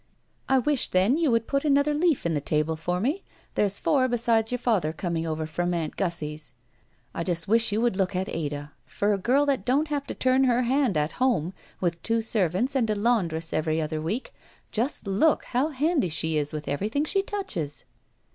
"I wish, then, you would put another leaf in the table for me. There's four besides your father coming over from Aunt Gussie's. I just wish you would look at Ada. For a girl that don't have to turn her hand at home, with two servants, and a laundress every other week, just look how handy she is with eversrthing she touches."